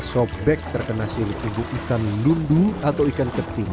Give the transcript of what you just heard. sobek terkena sirip ibu ikan lundu atau ikan ketim